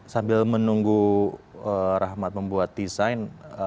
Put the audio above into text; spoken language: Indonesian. sambil menunggu rahmat membuat desain